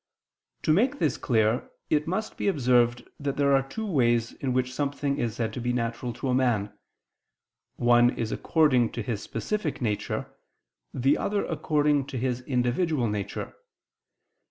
To make this clear, it must be observed that there are two ways in which something is said to be natural to a man; one is according to his specific nature, the other according to his individual nature.